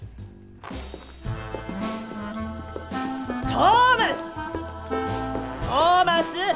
トーマス！